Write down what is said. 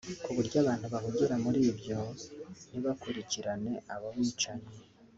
kuburyo abantu bahugira muri ibyo ntibakurikirane abo bicanyi